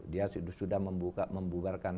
dia sudah membubarkan